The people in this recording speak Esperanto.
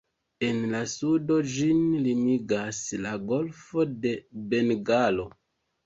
En la sudo ĝin limigas la golfo de Bengalo.